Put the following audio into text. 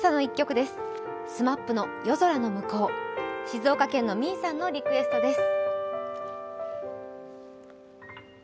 静岡県のみーさんのリクエストです。